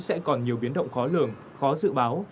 sẽ còn nhiều biến động khó lường khó dự báo